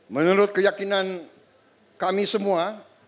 menurut keyakinan kami semua